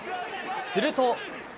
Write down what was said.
すると。